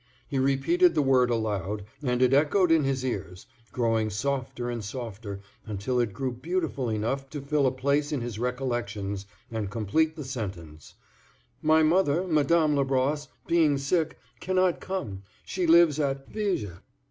He repeated the word aloud, and it echoed in his ears, growing softer and softer until it grew beautiful enough to fill a place in his recollections and complete the sentence—"My mother, Madame Labrosse, being sick, cannot come; she lives at Viger."